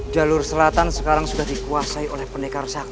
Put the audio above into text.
jalur selatan sekarang sudah dikuasai oleh pendekar sakra